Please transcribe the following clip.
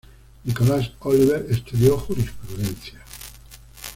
Nicolás Oliver estudió jurisprudencia.